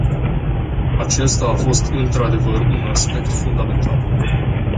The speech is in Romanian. Acesta a fost, într-adevăr, un aspect fundamental.